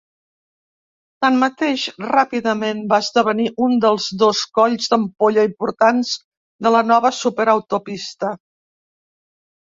Tanmateix, ràpidament va esdevenir un dels dos colls d'ampolla importants de la nova superautopista.